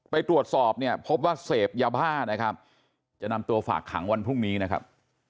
ไปตรวจสอบเนี่ยพบว่าเสพยาบ้านะครับจะนำตัวฝากขังวันพรุ่งนี้นะครับ